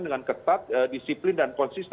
dengan ketat disiplin dan konsisten